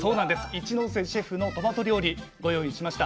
一ノ瀬シェフのトマト料理ご用意しました。